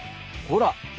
ほら。